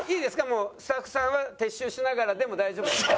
もうスタッフさんは撤収しながらでも大丈夫ですか？